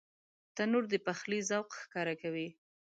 تنور د پخلي ذوق ښکاره کوي